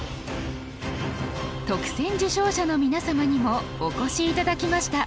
特選受賞者の皆様にもお越し頂きました。